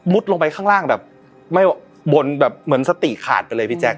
ลงไปข้างล่างแบบไม่บนแบบเหมือนสติขาดไปเลยพี่แจ๊